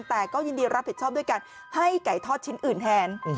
แต่ก็ยินดีรับผิดชอบด้วยการให้ไก่ทอดชิ้นอื่นแทน